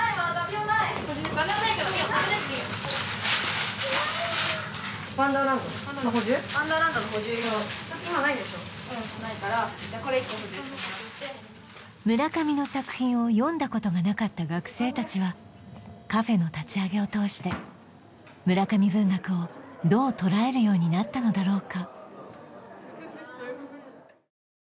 うんないからこれ１個補充してもらって村上の作品を読んだことがなかった学生たちはカフェの立ち上げをとおして村上文学をどう捉えるようになったのだろうか